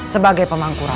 sebagai pemangku raja